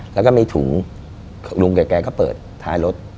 แล้วก็มีถุงลุงกับแกก็เปิดท้ายรถ